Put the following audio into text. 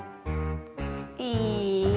gak cukup pulsaanya